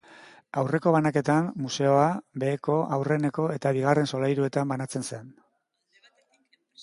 Aurreko banaketan, museoa beheko, aurreneko eta bigarren solairuetan banatzen zen.